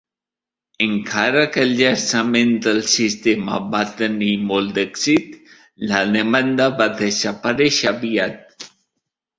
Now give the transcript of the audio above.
Encara que el llançament del sistema va tenir molt d'èxit, la demanda va desaparèixer aviat.